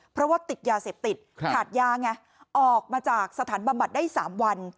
เพราะว่าติดยาเสพติดค่ะขาดยาง่ะออกมาจากสถานบัมบัติได้สามวัน